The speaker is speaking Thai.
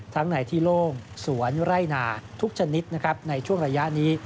ทั้งในที่โล่งสวนไร่หนาทุกชนิดในช่วงระยะนี้